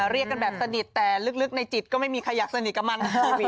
เรียกกันแบบสนิทแต่ลึกในจิตก็ไม่มีใครอยากสนิทกับมัน